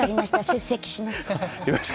出席します。